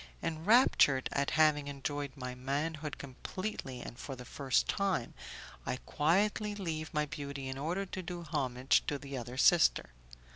Enraptured at having enjoyed my manhood completely and for the first time, I quietly leave my beauty in order to do homage to the other sister.